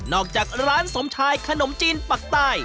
จากร้านสมชายขนมจีนปักใต้